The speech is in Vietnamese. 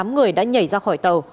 tám người đã nhảy ra khỏi tàu